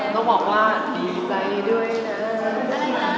ต้องบอกว่าดีใจด้วยนะ